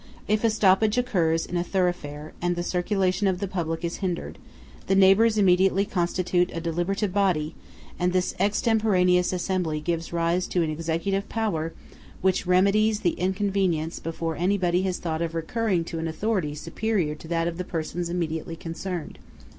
If a stoppage occurs in a thoroughfare, and the circulation of the public is hindered, the neighbors immediately constitute a deliberative body; and this extemporaneous assembly gives rise to an executive power which remedies the inconvenience before anybody has thought of recurring to an authority superior to that of the persons immediately concerned.